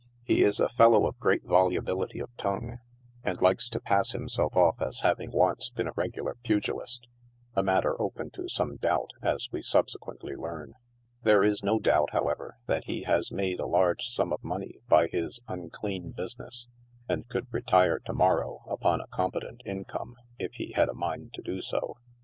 He is a fellow of great volubility of tongue, and likes to pass himself off as having once been a regular pugilist, a matter open to some doubt, as we subsequently learn. There is no doubt, however, that he has made a large sum of money by his unclean business, and could retire to morrow, upon a competent in come, if he had a mind to do so.